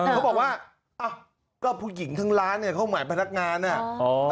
เขาบอกว่าก็ผู้หญิงทั้งร้านเนี่ยเข้าหมายเป็นนักงานเนี่ย